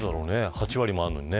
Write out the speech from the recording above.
８割もあるのにね。